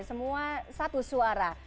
semua satu suara